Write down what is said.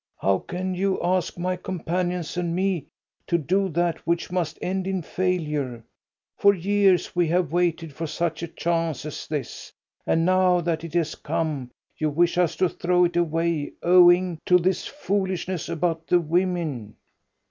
"How can you ask my companions and me to do that which must end in failure? For years we have waited for such a chance as this, and now that it has come, you wish us to throw it away owing to this foolishness about the women."